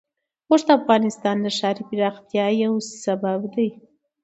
اوښ د افغانستان د ښاري پراختیا یو سبب دی.